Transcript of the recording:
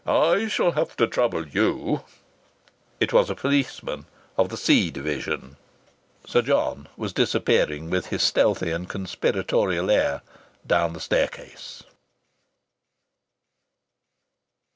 I shall have to trouble you " It was a policeman of the C Division. Sir John was disappearing, with his stealthy and conspiratorial air, down the staircase.